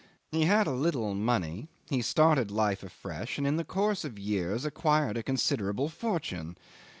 He had a little money; he started life afresh, and in the course of years acquired a considerable fortune.